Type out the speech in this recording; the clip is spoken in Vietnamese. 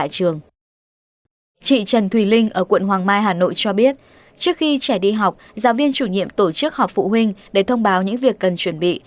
chị trần thùy linh ở quận hoàng mai hà nội cho biết trước khi trẻ đi học giáo viên chủ nhiệm tổ chức họp phụ huynh để thông báo những việc cần chuẩn bị